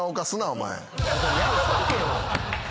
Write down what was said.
やめとけよ。